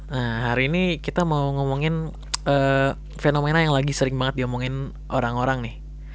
nah hari ini kita mau ngomongin fenomena yang lagi sering banget diomongin orang orang nih